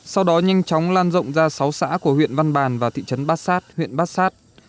sau đó nhanh chóng lan rộng ra sáu xã của huyện văn bàn và thị trấn bát sát huyện bát sát